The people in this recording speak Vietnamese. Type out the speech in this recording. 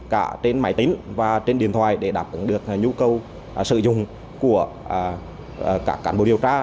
cả trên máy tính và trên điện thoại để đáp ứng được nhu cầu sử dụng của các cán bộ điều tra